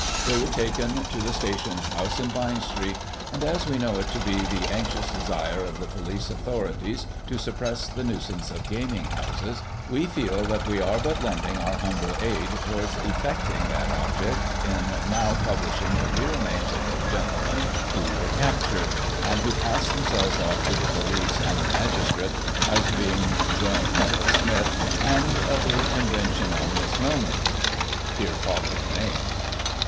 They were taken to the Station house in Vine Street ; and, as we know it to be the anxious desire of the police authorities to suppress the nuisance of gaming houses, we feel that we are but lending our humble aid towards effecting that object in now publishing the real names of those gentlemen who were captured, and who passed themselves off to the pohce and the magistrate as being * Jones,* * Smith,' and other conventional misnomers. (Here follow the names.)